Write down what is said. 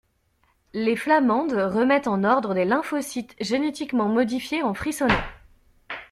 Les flamandes remettent en ordre des lymphocytes génétiquement modifiés en frissonnant.